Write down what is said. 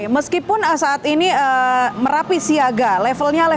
meskipun saat ini merapi siaga levelnya level tiga lima november dua ribu dua puluh satu lalu